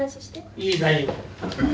いい大丈夫。